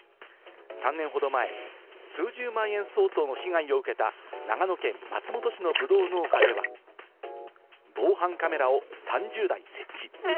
３年ほど前、数十万円相当の被害を受けた長野県松本市のブドウ農家では、防犯カメラを３０台設置。